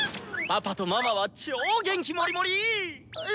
パパとママは超元気モリモリ！え